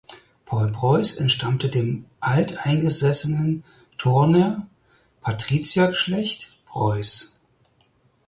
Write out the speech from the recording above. Paul Preuß entstammte dem alteingesessenen Thorner Patriziergeschlecht Preuß.